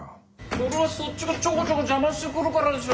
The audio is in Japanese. それはそっちがちょこちょこ邪魔してくるからでしょ？